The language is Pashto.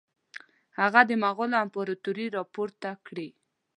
هغه د مغولو امپراطوري را پورته کړي.